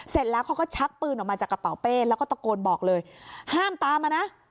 เสร็จแล้วเขาก็ชักปืนออกมาจากกระเป๋าเป้แล้วก็ตะโกนบอกเลยห้ามตามมานะ